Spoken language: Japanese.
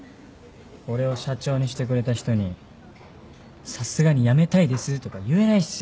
俺を社長にしてくれた人にさすがに辞めたいですとか言えないっすよ。